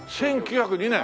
１９０２年。